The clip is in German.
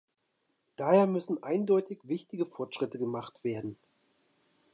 Daher müssen eindeutig wichtige Fortschritte gemacht werden.